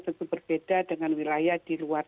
tentu berbeda dengan wilayah di luar